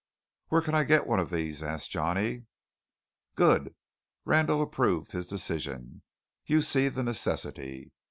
"Where can I get one of these?" asked Johnny. "Good!" Randall approved his decision. "You see the necessity.